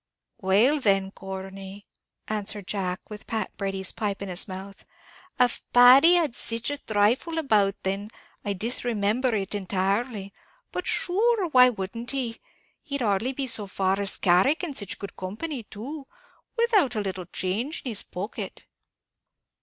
"Well, then, Corney," answered Jack, with Pat Brady's pipe in his mouth, "av Paddy had sich a thrifle about then, I disremember it entirely; but shure, why wouldn't he? He'd hardly be so far as Carrick, in sich good company too, without a little change in his pocket."